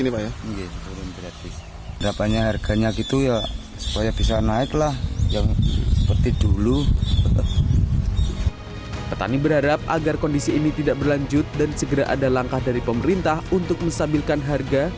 petani berharap agar kondisi ini tidak berlanjut dan segera ada langkah dari pemerintah untuk menstabilkan harga